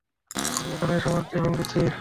আমি এখনই সামারকে ফোন দিচ্ছি।